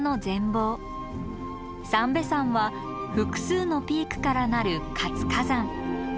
三瓶山は複数のピークからなる活火山。